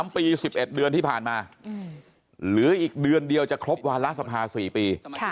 ๓ปี๑๑เดือนที่ผ่านมาหรืออีกเดือนเดียวจะครบวาระสภา๔ปี